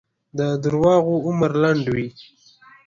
د دروغو عمر لنډ وي.